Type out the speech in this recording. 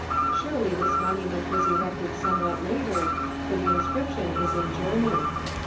Surely this monument was erected somewhat later, for the inscription is in German.